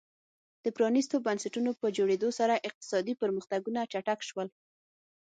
د پرانیستو بنسټونو په جوړېدو سره اقتصادي پرمختګونه چټک شول.